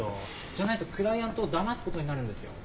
じゃないとクライアントをだますことになるんですよ。